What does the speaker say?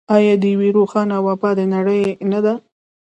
آیا د یوې روښانه او ابادې نړۍ نه ده؟